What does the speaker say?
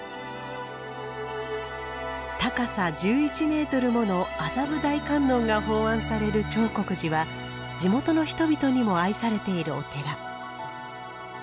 高さ１１ｍもの麻布大観音が奉安される長谷寺は地元の人々にも愛されているお寺。